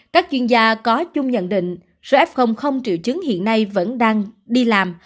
các chuyên gia có chung nhận định số f triệu chứng hiện nay vẫn đang đi làm